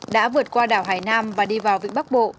đã vượt qua đảo hải nam và đi vào vịnh bắc bộ